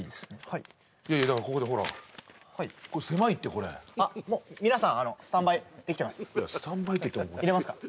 はいいやいやだからここでほらはいこれ狭いってこれあっもう皆さんスタンバイできてますいやスタンバイって言っても入れますか？